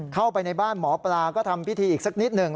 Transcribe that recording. เข้าไปในบ้านหมอปลาก็ทำพิธีอีกสักนิดหนึ่ง